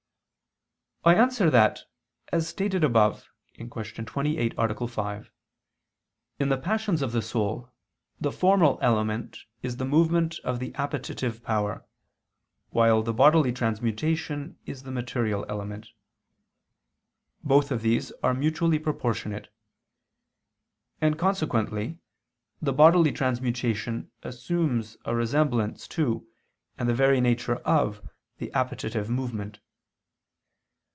I answer that, As stated above (Q. 28, A. 5), in the passions of the soul, the formal element is the movement of the appetitive power, while the bodily transmutation is the material element. Both of these are mutually proportionate; and consequently the bodily transmutation assumes a resemblance to and the very nature of the appetitive movement.